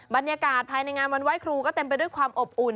บรรยากาศภายในงานวันไหว้ครูก็เต็มไปด้วยความอบอุ่น